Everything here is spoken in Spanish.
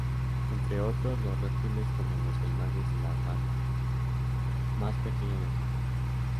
Entre otros los Reptiles como los caimanes y la rana más pequeña del mundo.